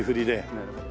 なるほど。